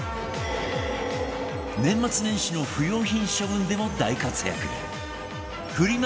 年末年始の不用品処分でも大活躍フリマ